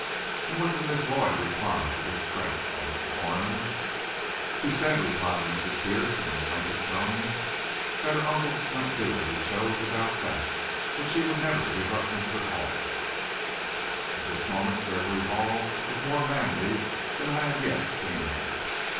"And what did Miss Lloyd reply to this threat?" asked the coroner. "She said," replied Mrs. Pierce, in her plaintive tones, "that her uncle might do as he chose about that; but she would never give up Mr. Hall." At this moment Gregory Hall looked more manly than I had yet seen him.